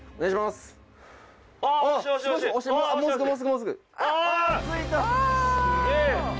すげえ！